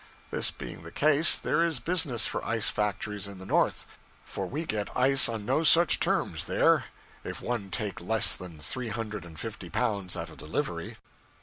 This being the case, there is business for ice factories in the North; for we get ice on no such terms there, if one take less than three hundred and fifty pounds at a delivery.